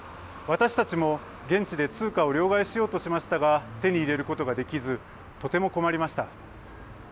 私たちも現地で通貨を両替しようとしましたが手に入れることができずとても困りました。